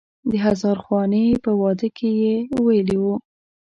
د هزار خوانې په واده کې یې ویلی و.